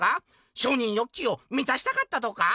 承認欲求をみたしたかったとか？」